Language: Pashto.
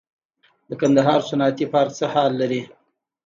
د کندهار صنعتي پارک څه حال لري؟